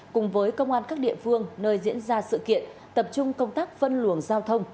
cùng với công an các địa phương nơi diễn ra sự kiện tập trung công tác phân luồng giao thông